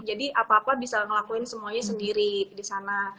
jadi apa apa bisa ngelakuin semuanya sendiri di sana